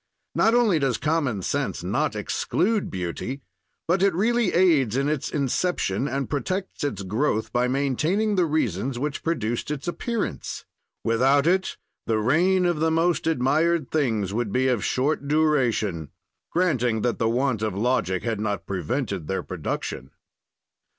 "Not only does common sense not exclude beauty, but it really aids in its inception and protects its growth by maintaining the reasons which produced its appearance. "Without it, the reign of the most admired things would be of short duration, granting that the want of logic had not prevented their production.